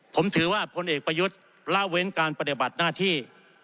ผมถือว่าพลเอกประยุทธ์ละเว้นการปฏิบัติหน้าที่